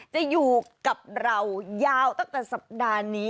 จะอยู่กับเรายาวตั้งแต่สัปดาห์นี้